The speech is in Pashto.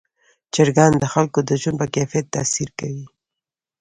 چرګان د خلکو د ژوند په کیفیت تاثیر کوي.